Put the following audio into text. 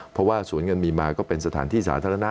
เพราะว่าสวนเงินมีมาก็เป็นสถานที่สาธารณะ